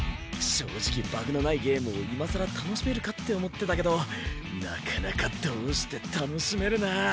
正直バグのないゲームを今更楽しめるかって思ってたけどなかなかどうして楽しめるなぁ。